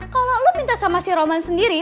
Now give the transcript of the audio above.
kalau lo minta sama si roman sendiri